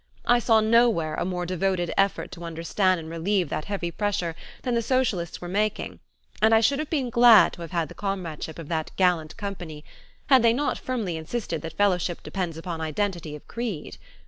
I saw nowhere a more devoted effort to understand and relieve that heavy pressure than the socialists were making, and I should have been glad to have had the comradeship of that gallant company had they not firmly insisted that fellowship depends upon identity of creed.